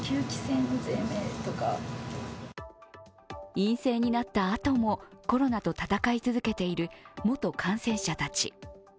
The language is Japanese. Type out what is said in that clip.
陰性になったあともコロナと闘い続けている元感染者たち。